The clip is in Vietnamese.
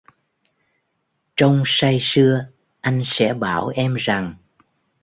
Trong say sưa, anh sẽ bảo em rằng: